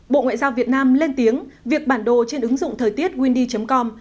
bộ ngoại giao việt nam lên tiếng việc bản đồ trên ứng dụng thời tiết windy com